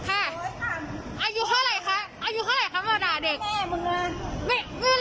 อายุเท่าไหร่คะอายุเท่าไหร่คะมาด่าเด็ก